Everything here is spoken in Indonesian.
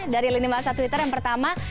dari lini masa twitter yang pertama